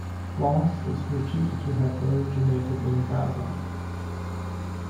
Gauze is reputed to have originated in Gaza.